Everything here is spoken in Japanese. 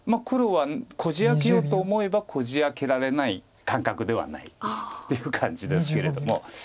黒はこじ開けようと思えばこじ開けられない間隔ではないっていう感じですけれども。